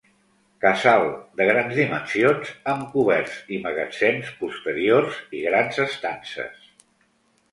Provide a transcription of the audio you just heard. Casal de grans dimensions, amb coberts i magatzems posteriors, i grans estances.